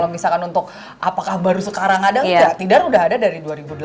misalkan untuk apakah baru sekarang ada tidar sudah ada dari dua ribu delapan belas